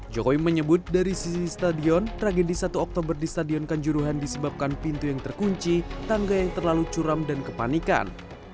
jokowi menyebut dari sisi stadion tragedi satu oktober di stadion kanjuruhan disebabkan pintu yang terkunci tangga yang terlalu curam dan kepanikan